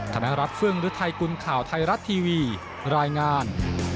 คณรับเฟืองหรือไทยคุณข่าวไทยรัฐทีวีรายงาน